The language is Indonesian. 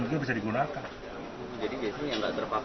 jadi biasanya yang nggak terpakai itu